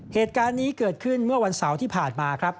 เหตุการณ์นี้เกิดขึ้นเมื่อวันเสาร์ที่ผ่านมาครับ